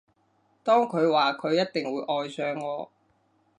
當佢話佢一定會愛上我